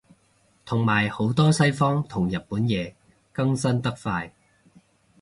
同埋好多西方同日本嘢更新得快